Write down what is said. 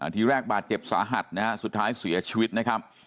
ทีแรกบาดเจ็บสาหัสนะฮะสุดท้ายเสียชีวิตนะครับ